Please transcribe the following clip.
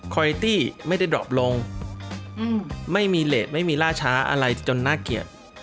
คอยตี้ไม่ได้ดอบลงไม่มีเลสไม่มีล่าช้าอะไรจนน่าเกลียด